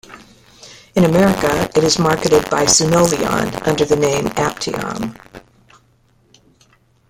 In America it is marketed by Sunovion under the name Aptiom.